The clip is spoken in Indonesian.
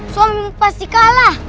suamimu pasti kalah